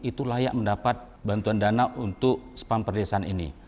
itu layak mendapat bantuan dana untuk spam perdesaan ini